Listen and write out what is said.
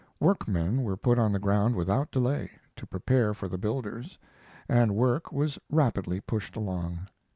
Workmen were put on the ground without delay, to prepare for the builders, and work was rapidly pushed along.